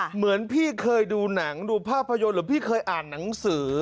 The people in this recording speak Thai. เหมือนพี่เคยดูหนังดูภาพยนตร์หรือพี่เคยอ่านหนังสือ